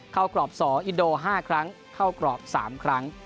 เข้ากรอบสออินโดห้าครั้งเข้ากรอบสามครั้ง